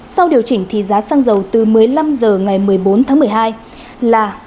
sau điều chỉnh thì giá xăng dầu từ một mươi năm h ngày một mươi bốn tháng một mươi hai là